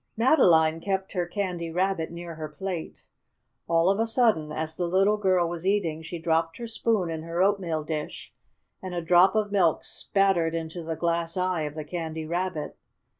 Madeline kept her Candy Rabbit near her plate. All of a sudden, as the little girl was eating, she dropped her spoon in her oatmeal dish, and a drop of milk spattered into the glass eye of the Candy Rabbit.